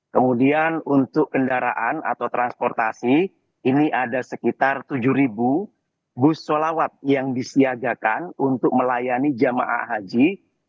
kemudian untuk kendaraan atau transportasi ini ada sekitar tujuh bus solawat yang disiagakan untuk melayani jamaah haji